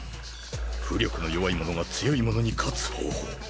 巫力の弱い者が強い者に勝つ方法。